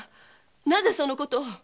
なぜそのことを？